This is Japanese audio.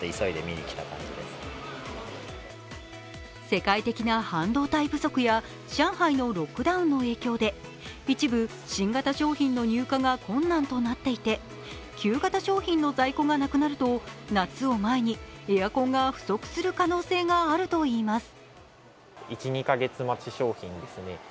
世界的な半導体不足や上海のロックダウンの影響で一部新型商品の入荷が困難となっていて旧型商品の在庫がなくなると夏を前にエアコンが不足する可能性があるといいます。